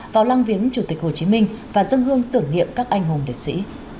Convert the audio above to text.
vào lăng viếng chủ tịch hồ chí minh và dân hương tưởng niệm các anh hùng liệt sĩ